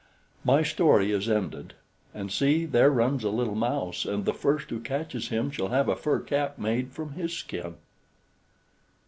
My story is ended, and see, there runs a little mouse, and the first who catches him shall have a fur cap made from his skin.